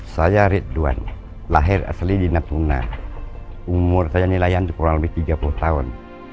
saya ridwan lahir asli di natuna umur saya nilai kurang lebih tiga puluh tahun